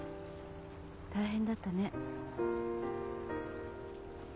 大変だったね。